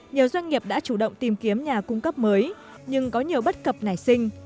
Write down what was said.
nhiều doanh nghiệp đã chủ động tìm kiếm nhà cung cấp mới nhưng có nhiều bất cập nảy sinh